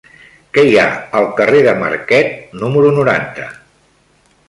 Què hi ha al carrer de Marquet número noranta?